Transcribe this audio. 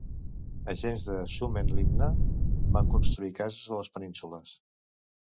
Agents de Suomenlinna van construir cases a les penínsules.